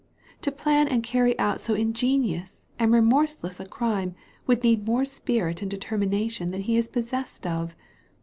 To plan and carry out so ingenious and remorseless a crime would need more spirit and determination than he is possessed of.